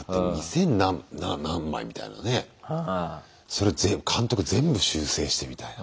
それ監督全部修正してみたいな。